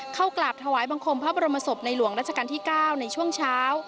เข้ากราบถวายบังคมพระบรมศพในหลวงราชการที่๙ในช่วงเช้า